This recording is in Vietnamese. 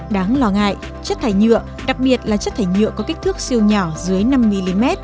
đáng lo ngại chất thải nhựa đặc biệt là chất thải nhựa có kích thước siêu nhỏ dưới năm mm